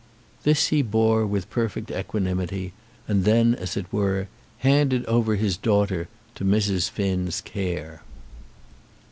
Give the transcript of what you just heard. This he bore with perfect equanimity, and then, as it were, handed over his daughter to Mrs. Finn's care.